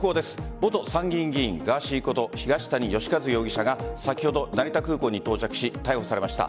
元参議院議員ガーシーこと東谷義和容疑者が先ほど成田空港に到着し逮捕されました。